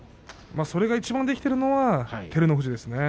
それがいちばんできているのが照ノ富士ですね。